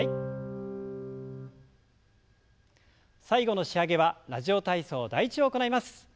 最後の仕上げは「ラジオ体操第１」を行います。